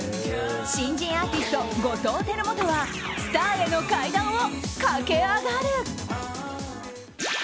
新人アーティスト、後藤輝基はスターへの階段を駆け上がる。